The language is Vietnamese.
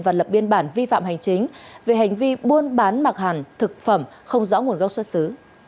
và lập biên bản vi phạm hành chính về hành vi buôn bán mặc hàng thực phẩm không rõ nguồn gốc xuất xứ